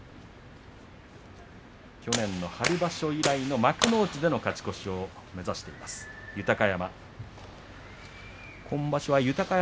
去年の春場所以来の幕内での勝ち越しを目指しています豊山。